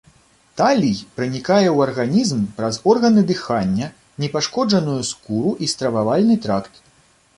Талій пранікае ў арганізм праз органы дыхання, непашкоджаную скуру і стрававальны тракт.